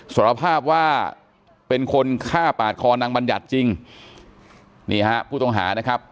สารภาพว่าเป็นคนฆ่าปาดคอนางบัญญัติจริงนี่ฮะผู้ต้องหานะครับ